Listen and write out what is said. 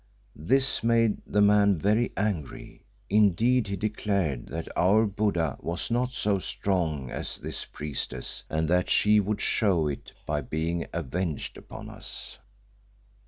This made the man very angry. Indeed he declared that our Buddha was not so strong as this priestess, and that she would show it by being avenged upon us.